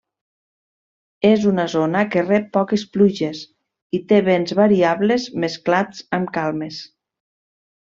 És una zona que rep poques pluges i té vents variables mesclats amb calmes.